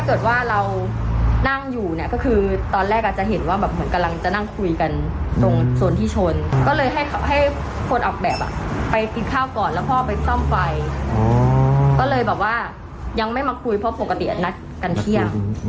เพราะไม่งั้นก็คือนั่งคุยกันอาจจะมีบาดเจ็บบ้างอะไรอย่างนี้